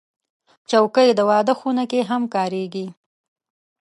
چوکۍ د واده خونه کې هم کارېږي.